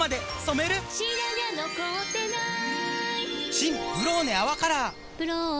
新「ブローネ泡カラー」「ブローネ」